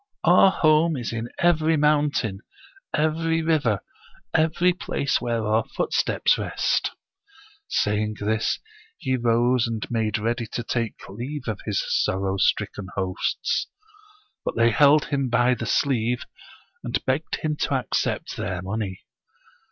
Our home is in every mountain, every river, every place where our foot steps rest'' Saying this, he rose and made ready to take leave of his sorrow stricken hosts. But they held him by the sleeve, and begged him to accept their money.